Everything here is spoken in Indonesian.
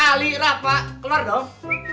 ali rafa keluar dong